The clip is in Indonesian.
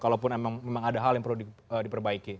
kalaupun memang ada hal yang perlu diperbaiki